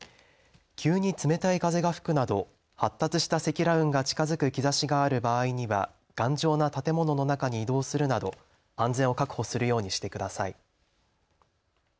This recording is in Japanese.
急に冷たい風が吹くなど発達した積乱雲が近づく兆しがある場合には頑丈な建物の中に移動するなど安全を確保するようにしてください。